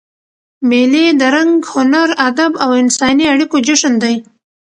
مېلې د رنګ، هنر، ادب او انساني اړیکو جشن دئ.